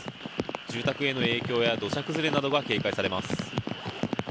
住宅への影響や土砂崩れなどが警戒されます。